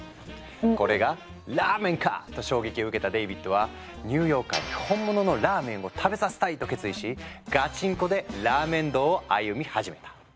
「これがラーメンか⁉」と衝撃を受けたデイビッドは「ニューヨーカーに本物のラーメンを食べさせたい！」と決意しガチンコでラーメン道を歩み始めた。